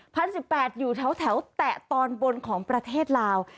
สิบแปดอยู่แถวแถวแตะตอนบนของประเทศลาว